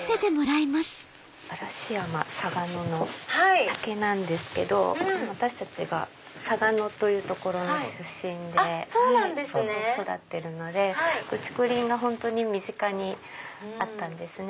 嵐山嵯峨野の竹なんですけど私たちが嵯峨野という所の出身で育ってるので竹林が本当に身近にあったんですね。